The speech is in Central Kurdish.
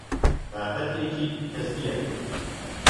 بابەتێکی کەسییە.